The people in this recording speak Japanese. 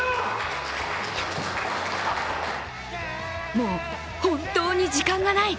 もう、本当に時間がない。